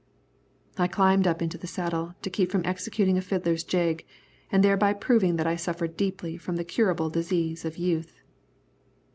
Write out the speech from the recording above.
I climbed up into the saddle to keep from executing a fiddler's jig, and thereby proving that I suffered deeply from the curable disease of youth.